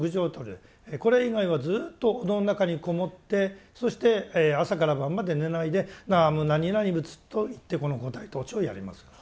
これ以外はずっとお堂の中に籠もってそして朝から晩まで寝ないで「南無何々仏」と言ってこの五体投地をやります。